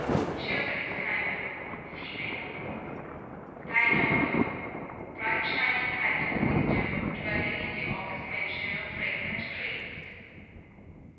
_ [CHILDREN'S KAIMYŌ. FEMALE.] _Dai Dōnyo, Bright Shining Height of Wisdom, dwelling in the August Mansion of Fragrant Trees.